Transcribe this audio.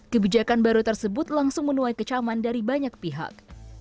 kebijakan baru tersebut langsung menuai kecaman dari banyak pihak